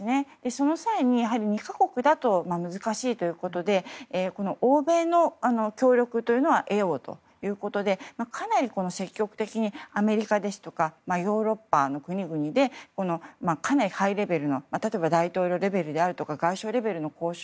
その際に２か国だと難しいということで欧米の協力を得ようということでかなり積極的にアメリカですとかヨーロッパの国々でかなりハイレベルな例えば大統領とか外相レベルの交渉